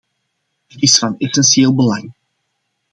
Het is van essentieel belang.